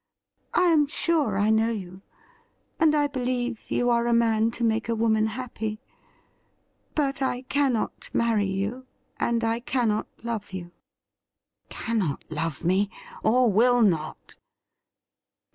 I am sure I know you, and I believe you are a man to make a woman happy. But I cannot marry you, and I cannot love you.' * Cannot love me — or will not